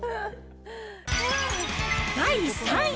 第３位。